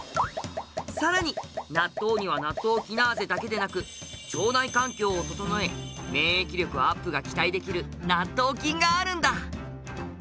さらに納豆にはナットウキナーゼだけでなく腸内環境を整え免疫力アップが期待できる納豆菌があるんだ！